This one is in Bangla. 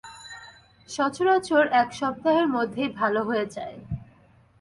সচরাচর এক সপ্তাহের মধ্যেই ভাল হয়ে যায়।